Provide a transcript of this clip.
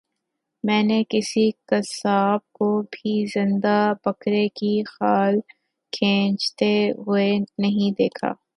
میں نے کسی قصاب کو بھی زندہ بکرے کی کھال کھینچتے ہوئے نہیں دیکھا